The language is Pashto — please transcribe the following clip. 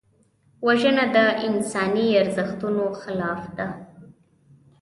وژنه د انساني ارزښتونو خلاف ده